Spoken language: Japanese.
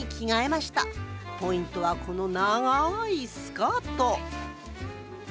ポイントはこの長いスカート！